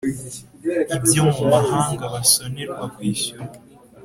byo mu mahanga basonerwa kwishyura